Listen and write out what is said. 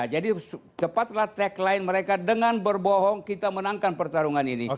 jadi cepatlah tag lain mereka dengan berbohong kita menangkan pertarungan ini